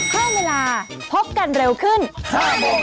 ข้าวเวลาพบกันเร็วขึ้น๕โมง๔๕